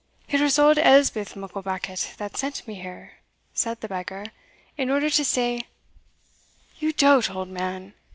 "It was auld Elspeth Mucklebackit that sent me here," said the beggar, "in order to say" "You dote, old man!"